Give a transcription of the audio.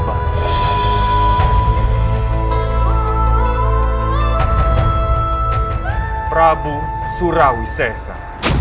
prabu surawi sesa